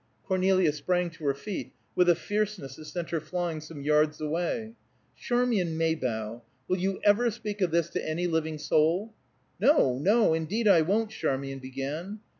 Cornelia sprang to her feet with a fierceness that sent her flying some yards away. "Charmian Maybough! Will you ever speak of this to any living soul?" "No, no! Indeed I won't " Charmian began.